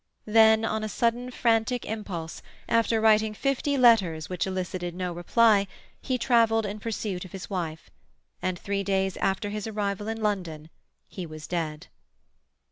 Then on a sudden frantic impulse, after writing fifty letters which elicited no reply, he travelled in pursuit of his wife; and three days after his arrival in London he was dead.